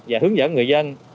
và hướng dẫn người dân